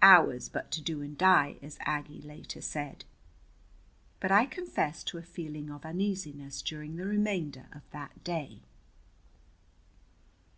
"Ours but to do and die," as Aggie later said. But I confess to a feeling of uneasiness during the remainder of that day.